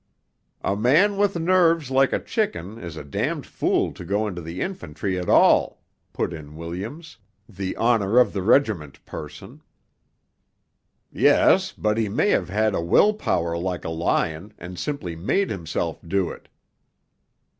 'A man with nerves like a chicken is a damned fool to go into the infantry at all,' put in Williams 'the honour of the regiment' person. 'Yes, but he may have had a will power like a lion, and simply made himself do it.'